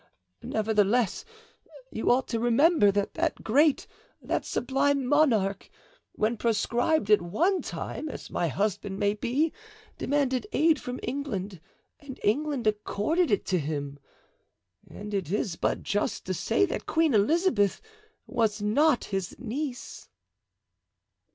Nevertheless, you ought to remember that that great, that sublime monarch, when proscribed at one time, as my husband may be, demanded aid from England and England accorded it to him; and it is but just to say that Queen Elizabeth was not his niece."